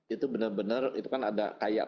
itu bener bener itu kan ada kayak